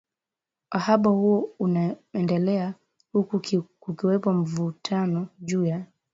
uhaba huo umeendelea huku kukiwepo mivutano juu ya